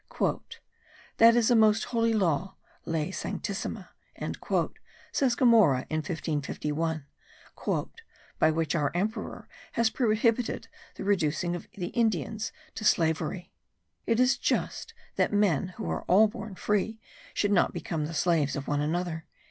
"That is a most holy law (ley sanctissima)," says Gomara, in 1551, "by which our emperor has prohibited the reducing of the Indians to slavery. It is just that men, who are all born free, should not become the slaves of one another."